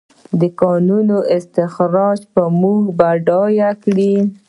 د کانونو استخراج به موږ بډایه کړي؟